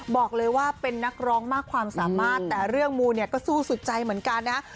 บอกเลยว่าเป็นนักร้องมากความสามารถแต่เรื่องมูเนี่ยก็สู้สุดใจเหมือนกันนะฮะ